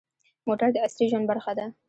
موټر د عصري ژوند برخه ده.